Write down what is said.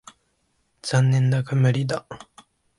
残念だが無理だ。